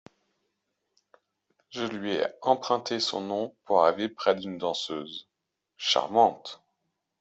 Je lui ai emprunté son nom pour arriver près d’une danseuse… charmante !